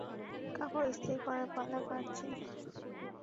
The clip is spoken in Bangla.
কাপড় ইস্ত্রি করার পালা কার ছিল?